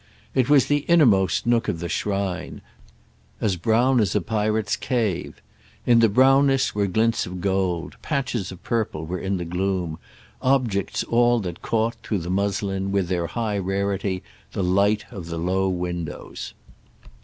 It was the innermost nook of the shrine—as brown as a pirate's cave. In the brownness were glints of gold; patches of purple were in the gloom; objects all that caught, through the muslin, with their high rarity, the light of the low windows.